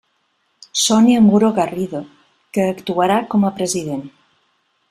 Sònia Muro Garrido, que actuarà com a president.